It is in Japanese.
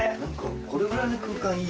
これぐらいの空間いい。